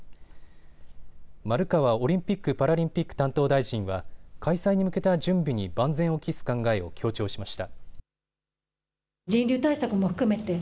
丸川オリンピック・パラリンピック担当大臣は開催に向けた準備に万全を期す考えを強調しました。